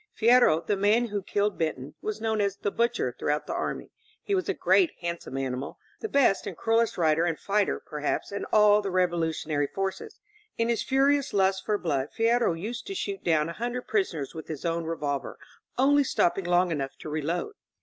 Fierro, the man who killed Benton, was known as "The Butcher" throughout the army. He was a great handsome animal, the best and cruellest rider and fighter, perhaps, in all the revolutionary forces. In his furious lust for blood Fierro used to shoot down a hundred prisoners with his own revolver, only stop ping long enough to reload.